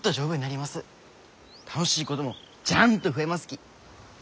楽しいこともジャンと増えますき。